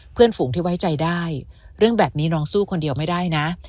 ฝูงที่ไว้ใจได้เรื่องแบบนี้น้องสู้คนเดียวไม่ได้นะ